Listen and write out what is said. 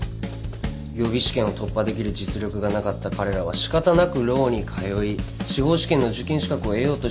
予備試験を突破できる実力がなかった彼らは仕方なくローに通い司法試験の受験資格を得ようとしています。